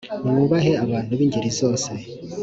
mwubahe abantu b ingeri zose